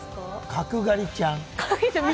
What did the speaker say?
角刈りちゃん。